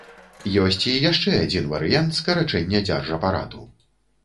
Ёсць і яшчэ адзін варыянт скарачэння дзяржапарату.